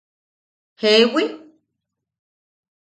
¿Jewi?